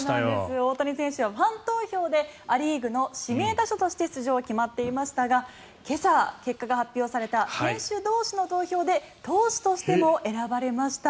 大谷選手、ファン投票でア・リーグの指名打者として出場が決まっていましたが今朝、結果が発表された選手同士の投票で投手としても選ばれました。